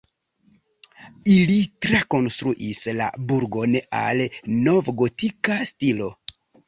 Ili trakonstruis la burgon al novgotika stilo.